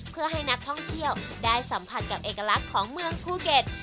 เพื่อให้นักท่องเที่ยวได้สัมผัสกับเอกลักษณ์ของเมืองภูเก็ต